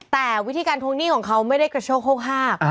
แต่วิธีการทวงหนี้ของเขาไม่ได้กระโชคโฮก